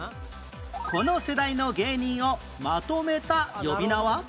この世代の芸人をまとめた呼び名は？